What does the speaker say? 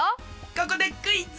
ここでクイズ！